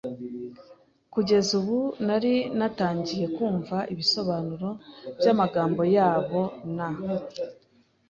Kugeza ubu nari natangiye kumva ibisobanuro byamagambo yabo. Na a